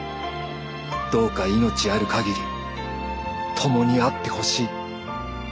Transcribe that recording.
どうか命あるかぎり共にあってほしい。